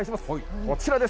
こちらです。